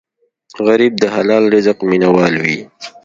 غریب د حلال رزق مینه وال وي